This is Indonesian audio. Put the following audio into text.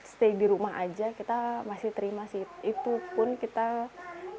seberapa batasan yang digunakan